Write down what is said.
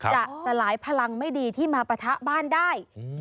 สลายพลังไม่ดีที่มาปะทะบ้านได้